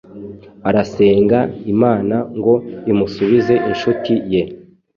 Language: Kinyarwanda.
arasenga imana ngo imusubize inshuti ye